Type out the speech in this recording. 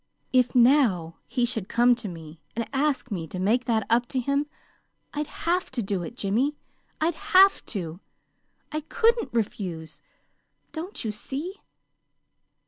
If now he should come to me and ask me to make that up to him, I'd HAVE to do it, Jimmy. I'd HAVE to. I couldn't REFUSE! Don't you see?"